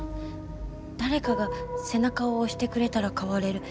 誰かが背中を押してくれたら変われる。